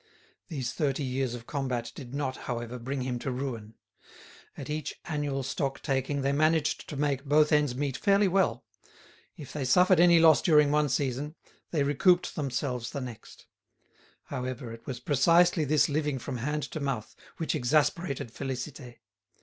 These thirty years of combat did not, however, bring him to ruin. At each annual stock taking they managed to make both ends meet fairly well; if they suffered any loss during one season, they recouped themselves the next. However, it was precisely this living from hand to mouth which exasperated Félicité.